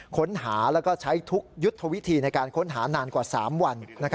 ค้นหาแล้วก็ใช้ทุกยุทธวิธีในการค้นหานานกว่า๓วัน